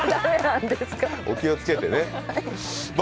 お気をつけてね。